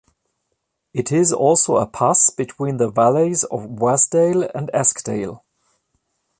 It is also a pass between the valleys of Wasdale and Eskdale.